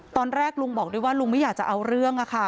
ตอนแรกลุงบอกด้วยว่าลุงไม่อยากจะเอาเรื่อง